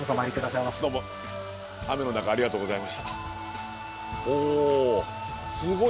どうも雨の中ありがとうございました。